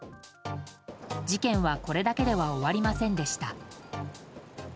事件はこれだけでは終わりませんでした。